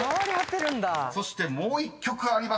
［そしてもう１曲ありますが］